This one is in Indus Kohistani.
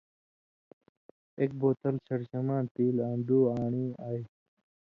ایک بوتل شڑشماں تیل آں دو آن٘ڑہ آئ۔